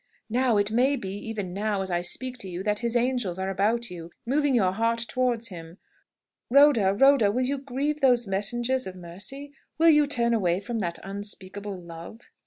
Now it may be even now, as I speak to you, that His angels are about you, moving your heart towards Him. Rhoda, Rhoda, will you grieve those messengers of mercy? Will you turn away from that unspeakable love?"